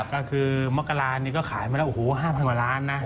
ก็คือมกรานี่ก็ขายมาแล้วโอ้โห๕๐๐กว่าล้านนะ